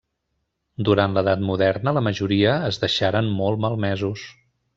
Durant l'edat moderna la majoria es deixaren molt malmesos.